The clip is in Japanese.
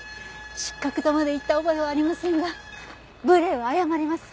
失格とまで言った覚えはありませんが無礼は謝ります。